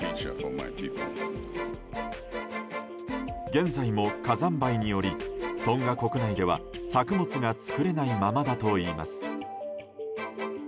現在も火山灰などによりトンガ国内では、作物が作れないままだといいます。